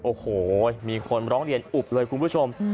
โอ้โหมีคนร้องเรียนอุบเลยคุณผู้ชม